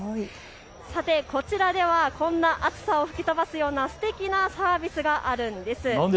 さてこちらではこんな暑さを吹き飛ばすようなすてきなサービスがあるんです。